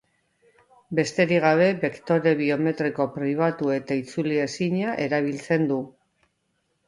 Besterik gabe, bektore biometriko pribatu eta itzulezina erabiltzen du.